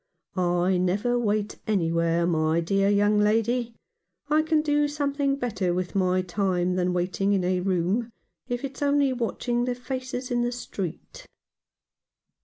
" I never wait anywhere, my dear young lady. I can do something better with my time than waiting in a room, if it's only watching the faces in the street."